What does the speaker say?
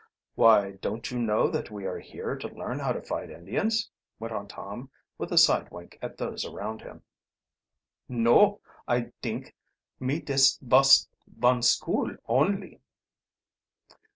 "Why, don't you know that we are here to learn how to fight Indians?" went on Tom, with a side wink at those around him. "No; I dink me dis vos von school only."